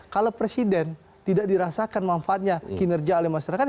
kalau presiden tidak dirasakan manfaatnya kinerja oleh masyarakat